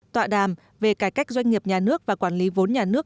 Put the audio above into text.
tọa đàm về cải cách doanh nghiệp nhà nước và quản lý vốn nhà nước